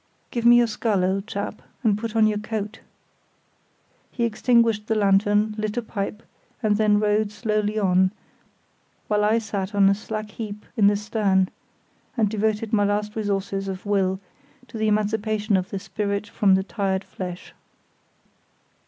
"Give me your scull, old chap, and put on your coat." He extinguished the lantern, lit a pipe, and then rowed slowly on, while I sat on a slack heap in the stern and devoted my last resources of will to the emancipation of the spirit from the tired flesh.